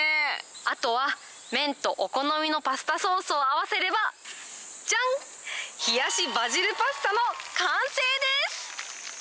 あとは麺とお好みのパスタソースを合わせれば、じゃん、冷やしバジルパスタの完成です。